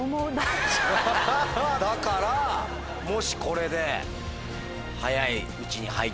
だからもしこれで。